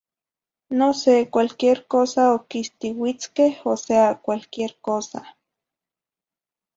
No sé, cualquier cosa oquistiuitzqueh, o sea, cualquier cosa.